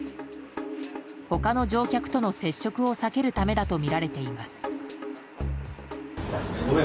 他の乗客との接触を避けるためだとみられています。